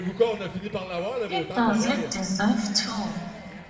He doesn't deserve to.